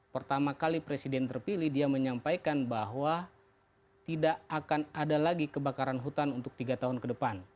pertama kali presiden terpilih dia menyampaikan bahwa tidak akan ada lagi kebakaran hutan untuk tiga tahun ke depan